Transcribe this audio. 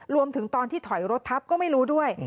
รวมถึงตอนที่ถอยรถทับก็ไม่รู้ด้วย